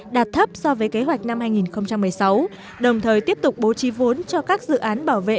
đạt thấp so với kế hoạch năm hai nghìn một mươi sáu đồng thời tiếp tục bố trí vốn cho các dự án bảo vệ